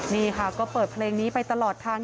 นี่ค่ะก็เปิดเพลงนี้ไปตลอดทาง